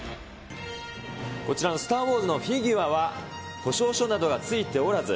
こちらのスター・ウォーズのフィギュアは、保証書などがついておらず、